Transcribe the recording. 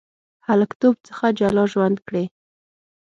هلکتوب څخه جلا ژوند کړی.